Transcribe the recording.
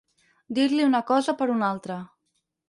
Dir-li una cosa per una altra.